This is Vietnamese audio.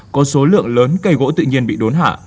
có số lượng lớn cây gỗ tự nhiên bị đốn hạ